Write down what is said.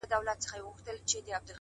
چي مي بایللی و! وه هغه کس ته ودرېدم !